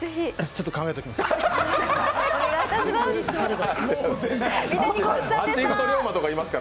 ちょっと考えときます。